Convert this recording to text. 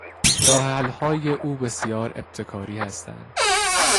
راهحلهای او بسیار ابتکاری هستند.